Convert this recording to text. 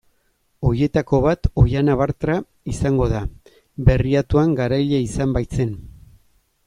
Horietako bat Oihana Bartra izango da, Berriatuan garaile izan baitzen.